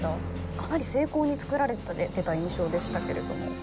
かなり精巧につくられてた印象でしたけれども。